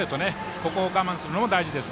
ここを我慢するのが大事です。